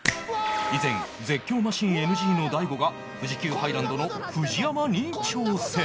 以前絶叫マシン ＮＧ の大悟が富士急ハイランドの ＦＵＪＩＹＡＭＡ に挑戦